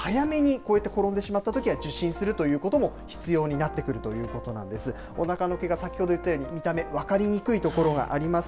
なので、皆さんぜひ保護者の方早めにこういって転んでしまったときは受診することも必要になってくるということなんです。